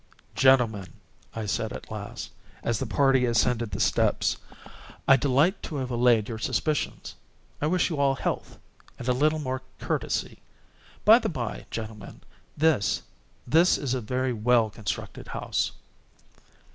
"Gentlemen," I said at last, as the party ascended the steps, "I delight to have allayed your suspicions. I wish you all health, and a little more courtesy. By the bye, gentlemen, this—this is a very well constructed house."